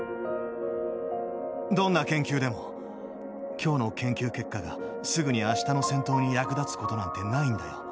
どんな研究でも今日の研究結果がすぐに明日の戦闘に役立つことなんてないんだよ。